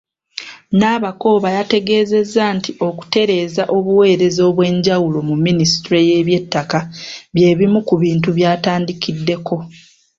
Nabakooba yategeezezza nti okutereeza obuweereza obwenjawulo mu Minisitule y'ebyettaka bye bimu ku bintu by'atandikiddeko.